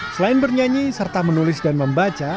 selain bernyanyi serta menulis dan membaca